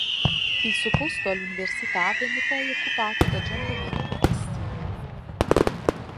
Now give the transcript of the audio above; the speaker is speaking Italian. Il suo posto all'Università venne poi occupato da Gian Domenico Cassini.